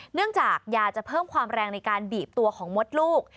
เนื่องจากยาจะเพิ่มความแรงในการบีบตัวของมดลูก